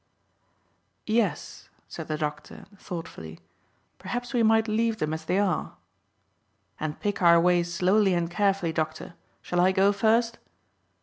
"Yes," said the doctor thoughtfully; "perhaps we might leave them as they are." "And pick our way slowly and carefully, doctor. Shall I go first?"